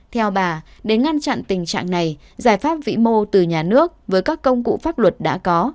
theo bà để ngăn chặn tình trạng này giải pháp vĩ mô từ nhà nước với các công cụ pháp luật đã có